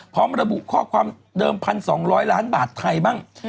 พร้อมระบุข้อความเดิม๑๒๐๐ล้านบาทไทยบ้าง